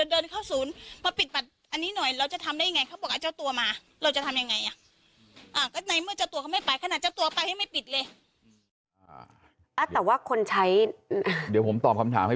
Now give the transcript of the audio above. เดี๋ยวผมตอบคำถามให้ผู้ใช้